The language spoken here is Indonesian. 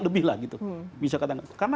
lebih lah gitu bisa katakan karena